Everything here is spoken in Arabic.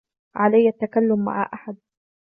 علي التكلم مع أحد.